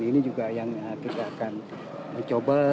ini juga yang kita akan dicoba